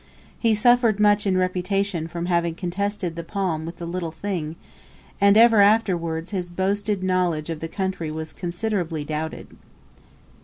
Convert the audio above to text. He suffered much in reputation from having contested the palm with the "little thing," and ever afterwards his boasted knowledge of the country was considerably doubted.